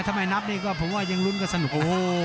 ทำไมนับนี่ก็เพราะว่ายังรุนก็สนุกนะ